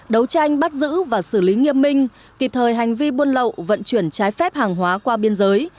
đấu tranh bắt giữ và xử lý nghiêm minh kịp thời hành vi buôn lậu vận chuyển trái phép hàng hóa qua biên giới